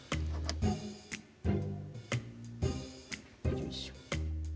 よいしょ。